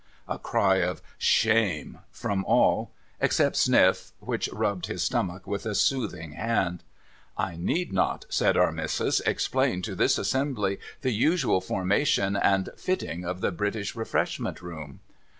A cry of 'Shame!' from all— except Sniff, which rubbed his stomach with a soothing hand. ' I need not,' said Our Missis, ' explain to this assembly the usual formation and fitting of the British Refreshment Room